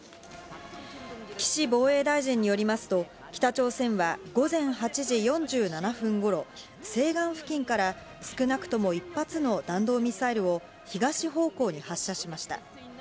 岸防衛大臣によりますと北朝鮮は午前８時４７分頃、西岸付近から少なくとも１発の弾道ミサイルを東方向に発射しました。